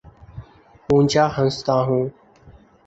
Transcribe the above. اونچا ہنستا ہوں